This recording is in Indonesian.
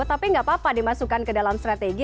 tapi nggak apa apa dimasukkan ke dalam strategi